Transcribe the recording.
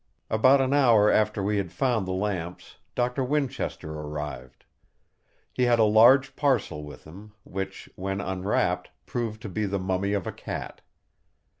About an hour after we had found the lamps, Doctor Winchester arrived. He had a large parcel with him, which, when unwrapped, proved to be the mummy of a cat.